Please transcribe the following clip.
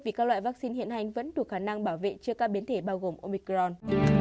vì các loại vaccine hiện hành vẫn đủ khả năng bảo vệ trước các biến thể bao gồm omicron